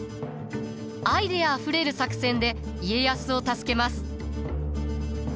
アイデアあふれる作戦で家康を助けます。